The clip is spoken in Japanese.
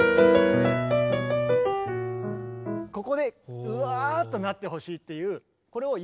ここでうわっとなってほしいっていう。